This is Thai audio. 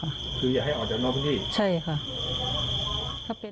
คืออยากให้ออกจากน้องพี่